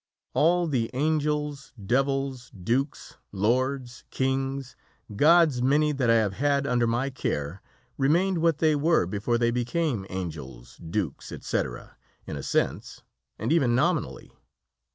All the angels, devils, dukes, lords, kings, "gods many" that I have had under my care remained what they were before they became angels, dukes, etc., in a sense, and even nominally.